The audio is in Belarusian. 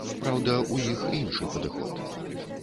Праўда, у іх іншы падыход.